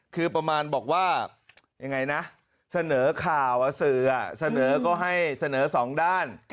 คือประมาณบอกว่ายังไงนะเสนอข่าวสื่อเสนอก็ให้เสนอสองด้าน